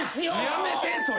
やめてそれ。